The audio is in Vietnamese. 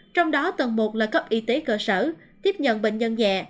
trong đó tầng một là cấp y tế cơ sở tiếp nhận bệnh nhân nhẹ